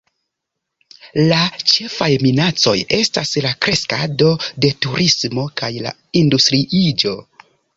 La ĉefaj minacoj estas la kreskado de turismo kaj la industriiĝo.